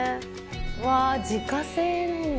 うわ、自家製なんだ。